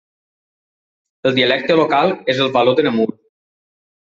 El dialecte local és el való de Namur.